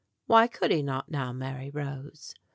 Why could he not now marry Rose